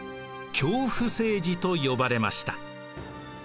恐怖政治と呼ばれました。